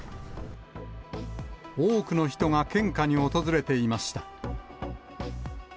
多くの人が献花に訪れていました。